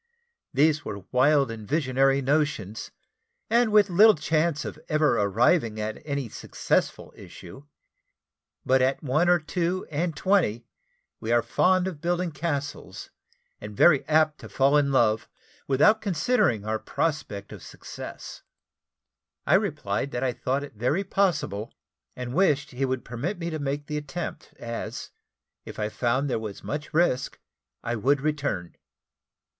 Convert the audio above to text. These were wild and visionary notions, and with little chance of ever arriving at any successful issue; but at one or two and twenty, we are fond of building castles, and very apt to fall in love, without considering our prospect of success. I replied that I thought it very possible, and wished he would permit me to make the attempt, as, if I found there were much risk, I would return.